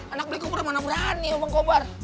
anak beli gue mana berani bang kobar